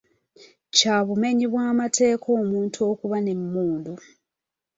Kya bumenyi bw'amateeka omuntu okuba n'emmundu.